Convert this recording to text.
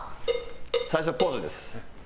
最初はポーズです。